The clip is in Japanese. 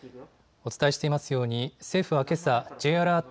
お伝えしていますように政府はけさＪアラート